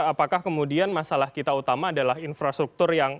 apakah kemudian masalah kita utama adalah infrastruktur yang